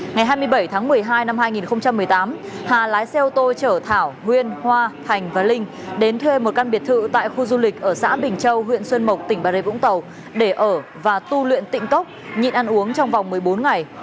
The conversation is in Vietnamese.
ngày hai mươi bảy tháng một mươi hai năm hai nghìn một mươi tám hà lái xe ô tô chở thảo nguyên hoa thành và linh đến thuê một căn biệt thự tại khu du lịch ở xã bình châu huyện xuân mộc tỉnh bà rê vũng tàu để ở và tu luyện tịnh cốc nhịn ăn uống trong vòng một mươi bốn ngày